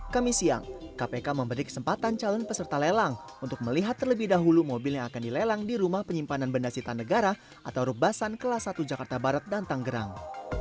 kami siang kpk memberi kesempatan calon peserta lelang untuk melihat terlebih dahulu mobil yang akan dilelang di rumah penyimpanan benda sita negara atau rubasan kelas satu jakarta barat dan tanggerang